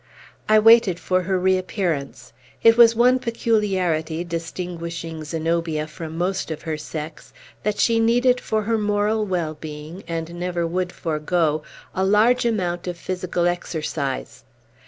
I waited for her reappearance. It was one peculiarity, distinguishing Zenobia from most of her sex, that she needed for her moral well being, and never would forego, a large amount of physical exercise.